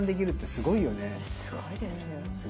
すごいです。